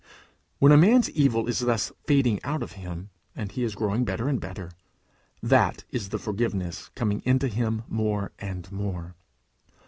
When a man's evil is thus fading out of him, and he is growing better and better, that is the forgiveness coming into him more and more.